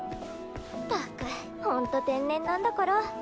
ったくほんと天然なんだから。